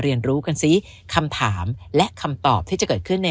เรียนรู้กันซิคำถามและคำตอบที่จะเกิดขึ้นใน